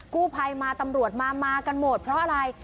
กู้ภัยมาตำรวจมามากันหมดเพราะอะไร